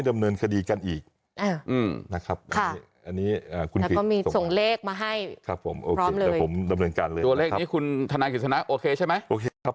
ดำเนินการเลยตัวเลขนี้คุณธนายกริจสนับโอเคใช่ไหมโอเคครับ